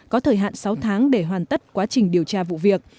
có thời hạn sáu tháng để hoàn tất quá trình điều tra vụ việc